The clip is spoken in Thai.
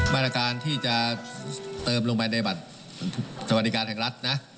มาตรการที่จะเติมลงไปในบัตรสวัสดิการแห่งรัฐนะ